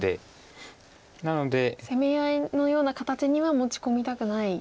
攻め合いのような形には持ち込みたくない。